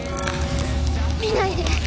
見ないで！